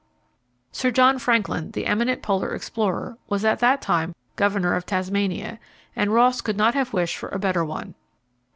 Sir John Franklin, the eminent polar explorer, was at that time Governor of Tasmania, and Ross could not have wished for a better one.